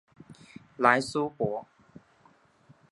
莱苏博。